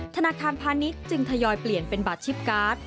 ธนาคารพาณิชย์จึงทยอยเปลี่ยนเป็นบัตรชิปการ์ด